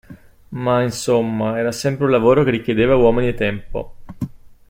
Ma, insomma, era sempre un lavoro che richiedeva uomini e tempo.